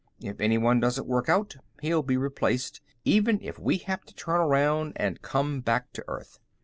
If anyone doesn't work out, he'll be replaced, even if we have to turn around and come back to Earth.